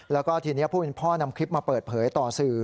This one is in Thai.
แล้วก็ทีนี้ผู้เป็นพ่อนำคลิปมาเปิดเผยต่อสื่อ